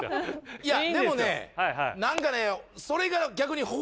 いやでもね何かねそれが。